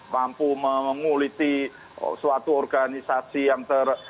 mampu menguliti suatu organisasi yang ter